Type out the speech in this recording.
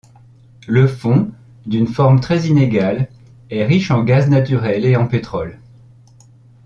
Le fond, d'une forme très inégale, est riche en gaz naturel et en pétrole.